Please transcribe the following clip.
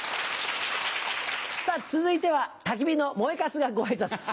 さぁ続いてはたき火の燃えかすがご挨拶。